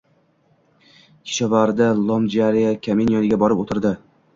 Kishvardi Lomjariya kamin yoniga borib oʻtirdi.